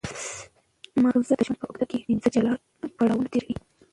ماغزه د ژوند په اوږدو کې پنځه جلا پړاوونه تېروي.